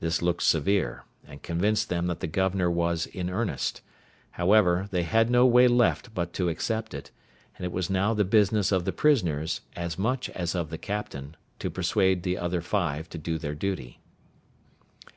This looked severe, and convinced them that the governor was in earnest; however, they had no way left them but to accept it; and it was now the business of the prisoners, as much as of the captain, to persuade the other five to do their duty.